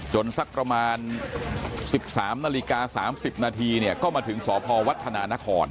สักประมาณ๑๓นาฬิกา๓๐นาทีเนี่ยก็มาถึงสพวัฒนานคร